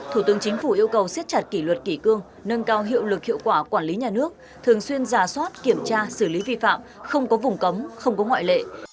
thủ tướng chính phủ yêu cầu siết chặt kỷ luật kỷ cương nâng cao hiệu lực hiệu quả quản lý nhà nước thường xuyên giả soát kiểm tra xử lý vi phạm không có vùng cấm không có ngoại lệ